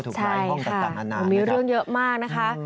ถูกรายห้องตัดต่างนานนะครับใช่ค่ะมีเรื่องเยอะมากนะคะ